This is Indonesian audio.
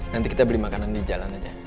nanti kita beli makanan di jalan aja